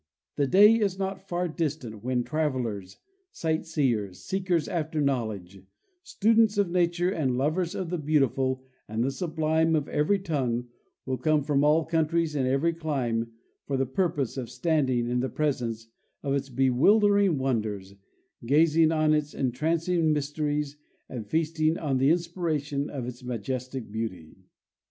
The day is not far dis tant when travelers, sight seers, seekers after knowledge, students of nature, and lovers of the beautiful and the sublime of every tongue will come from all countries and every clime for the pur pose of standing in the presence of its bewildering wonders, gaz ing on its entrancing mysteries, and feasting on the inspiration of its majestic beauty.